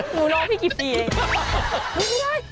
หนูรงพี่กี่ปีไอ้หนูไม่ได้มีรางวัลที่ไหนเหรอค่ะ